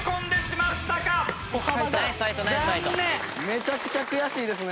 めちゃくちゃ悔しいですね。